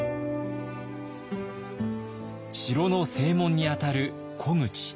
城の正門にあたる虎口。